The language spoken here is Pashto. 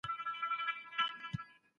ښځې د میاشتني عادت له امله سردرد تجربه کوي.